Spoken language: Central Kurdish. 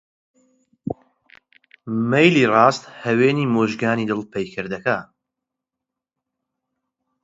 مەیلی ڕاست هاوێتنی موژگانی دڵ پەیکەر دەکا؟!